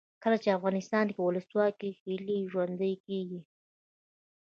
کله چې افغانستان کې ولسواکي وي هیلې ژوندۍ کیږي.